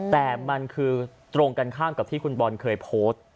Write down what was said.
แต่มันคือตรงกันข้ามกับที่คุณบอลเคยโพสต์